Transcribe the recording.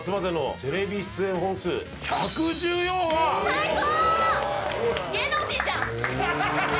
最高！